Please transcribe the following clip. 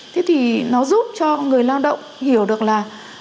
thế thì nó giúp cho người lao động hiểu được là